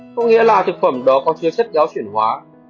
có nghĩa là thực phẩm đó có chứa chất giáo chuyển hóa